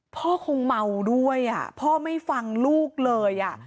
พ่อคงเมาด้วยพ่อไม่ฟังลูกเลย